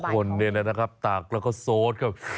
โอ้โหบางคนเนี่ยนะครับตากแล้วก็โซดครับ